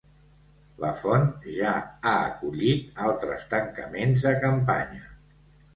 La font ja ha acollit altres tancaments de campanya.